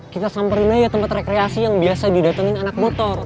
kita samperin aja tempat rekreasi yang biasa didatengin anak motor